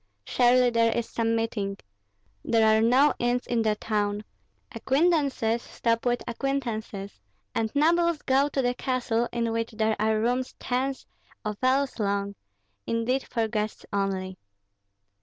Surely there is some meeting. There are no inns in the town; acquaintances stop with acquaintances, and nobles go to the castle, in which there are rooms tens of ells long, intended for guests only.